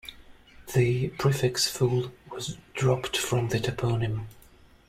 The prefix "ful-" was dropped from the toponym.